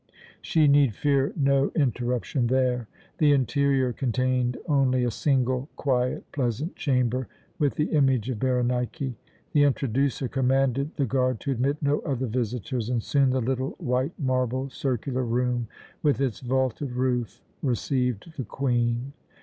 She need fear no interruption there. The interior contained only a single, quiet, pleasant chamber, with the image of Berenike. The "Introducer" commanded the guard to admit no other visitors, and soon the little white marble, circular room with its vaulted roof received the Queen.